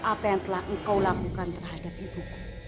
apa yang telah engkau lakukan terhadap ibu